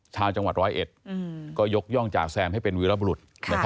ชาวจังหวัด๑๐๑ก็ยกย่องจ่าแซมให้เป็นวิรัตนบรุษ